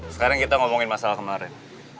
sekarang kita ngomongin masalah kemarin